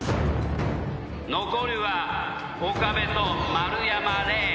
残るは岡部と丸山礼。